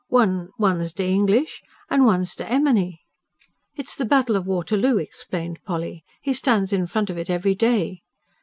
One ... one's de English, an' one's de emeny." "It's the Battle of Waterloo," explained Polly. "He stands in front of it every day."